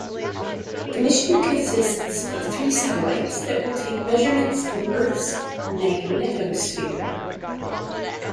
The mission consists of three satellites that will take measurements in Earth's magnetosphere.